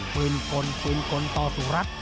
บืนกลบืนกลต่อสู่รัฐ